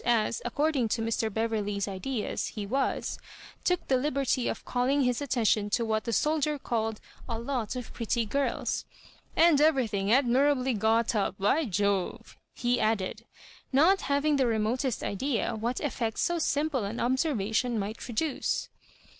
as (according to Mr. Beverley's ideas) be was, took the liberty of calling bis attention to what the soldier called " a lot of pretty girls." « And everything admirably got up, by Jove I" he add ed ; not having the remotest idea what effectso simple an observation might produce.